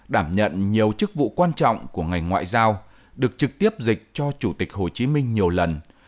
đảm nhận nhiều chức vụ quan trọng của ngành ngoại giao được trực tiếp dịch cho chủ tịch hồ chí minh nhiều lần